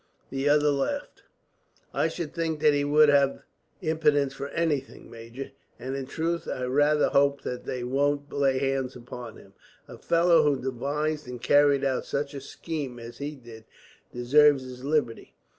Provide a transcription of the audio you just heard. The other laughed. "I should think that he would have impudence for anything, major. And in truth, I rather hope that they won't lay hands upon him a fellow who devised and carried out such a scheme as he did deserves his liberty.